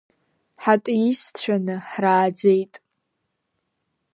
Ҳатеистцәаны ҳрааӡеит.